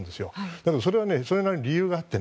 だけど、それはそれなりに理由があって。